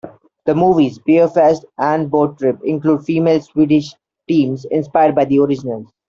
The movies "Beerfest" and "Boat Trip" include female Swedish teams, inspired by the originals.